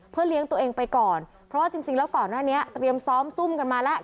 เพื่อเลี้ยงตัวเองไปก่อนเพราะว่าจริงแล้วก่อนหน้านี้เตรียมซ้อมซุ่มกันมาแล้ว